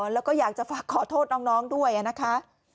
แล้วก็อยากจะฝากขอโทษน้องด้วยนะคะ